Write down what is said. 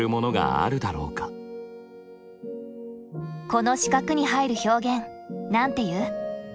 この四角に入る表現なんて言う？